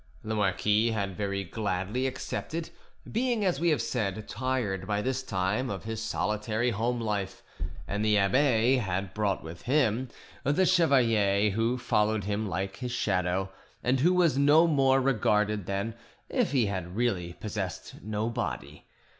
The marquis had very gladly accepted, being, as we have said, tired by this time of his solitary home life; and the abbe had brought with him the chevalier, who followed him like his shadow, and who was no more regarded than if he had really possessed no body.